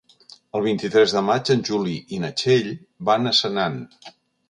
El vint-i-tres de maig en Juli i na Txell van a Senan.